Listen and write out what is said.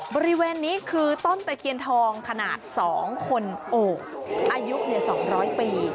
บริเวณนี้คือต้นตะเคียนทองขนาด๒คนโอบอายุ๒๐๐ปี